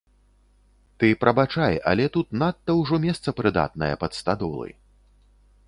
Ты прабачай, але тут надта ўжо месца прыдатнае пад стадолы.